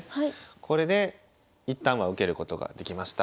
これで一旦は受けることができました。